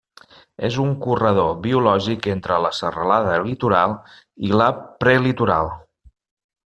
És un corredor biològic entre la Serralada Litoral i la Prelitoral.